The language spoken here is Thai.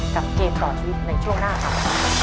เกมต่อชีวิตในช่วงหน้าครับ